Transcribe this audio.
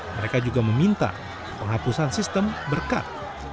mereka juga meminta penghapusan sistem berkat